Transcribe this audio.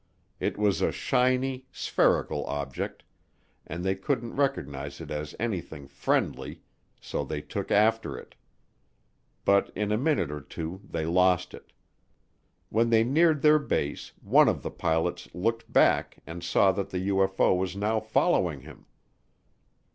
It was a shiny, spherical object, and they couldn't recognize it as anything "friendly" so they took after it. But in a minute or two they lost it. When they neared their base, one of the pilots looked back and saw that the UFO was now following him.